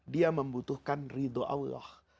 dia membutuhkan ridho allah